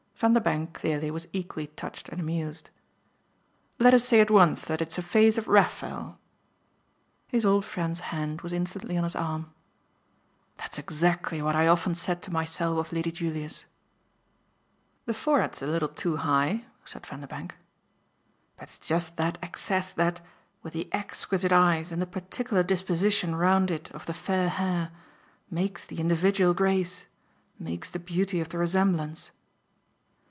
Vanderbank, clearly, was equally touched and amused. "Let us say at once that it's a face of Raphael." His old friend's hand was instantly on his arm. "That's exactly what I often said to myself of Lady Julia's." "The forehead's a little too high," said Vanderbank. "But it's just that excess that, with the exquisite eyes and the particular disposition round it of the fair hair, makes the individual grace, makes the beauty of the resemblance."